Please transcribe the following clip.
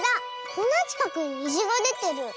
こんなちかくににじがでてる。